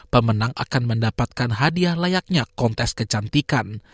pemenang akan mendapatkan hadiah layaknya kontes kecantikan